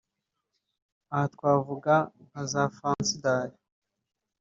Aha twavuga nka za fansidari